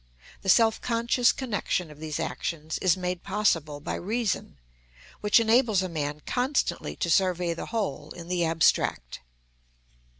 The self conscious connection of these actions is made possible by reason, which enables a man constantly to survey the whole in the abstract.